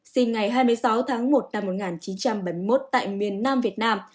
sinh ngày hai mươi sáu tháng một năm một nghìn chín trăm bảy mươi một tại miền nam việt nam